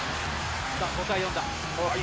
５対４だ。